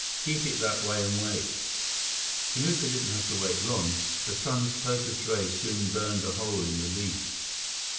Keep it that way and wait." Kamuka didn't have to wait long. The sun's focused rays soon burned a hole in the leaf.